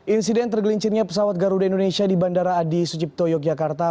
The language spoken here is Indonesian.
insiden tergelincirnya pesawat garuda indonesia di bandara adi sucipto yogyakarta